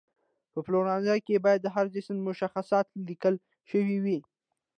په پلورنځي کې باید د هر جنس مشخصات لیکل شوي وي.